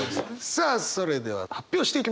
さあそれでは発表していきましょう。